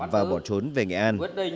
và bỏ trốn về nghệ an